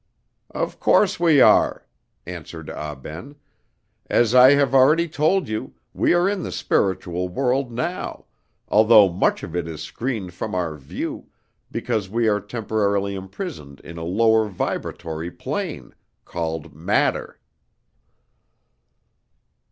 "Of course we are," answered Ah Ben; "as I have already told you, we are in the spiritual world now, although much of it is screened from our view, because we are temporarily imprisoned in a lower vibratory plane, called matter."